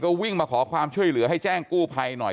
วิ่งมาขอความช่วยเหลือให้แจ้งกู้ภัยหน่อย